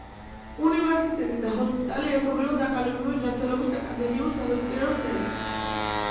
უნივერსიტეტი და ჰოსპიტალი ერთობლივად აყალიბებენ ჯანმრთელობის აკადემიურ სამეცნიერო ცენტრს.